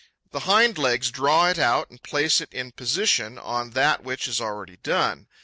The hind legs draw it out and place it in position on that which is already done.